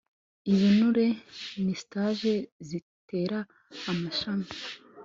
Ibinure ni stags zitera amashami